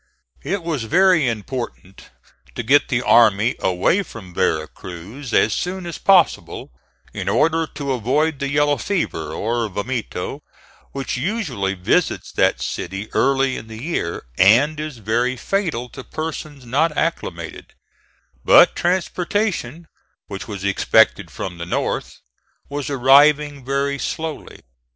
It was very important to get the army away from Vera Cruz as soon as possible, in order to avoid the yellow fever, or vomito, which usually visits that city early in the year, and is very fatal to persons not acclimated; but transportation, which was expected from the North, was arriving very slowly.